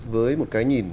với một cái nhìn